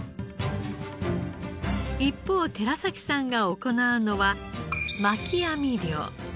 一方寺崎さんが行うのは巻き網漁。